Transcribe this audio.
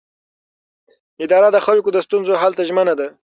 اداره د خلکو د ستونزو حل ته ژمنه ده.